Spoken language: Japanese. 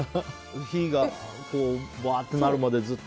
火がわーっとなるまでずっと。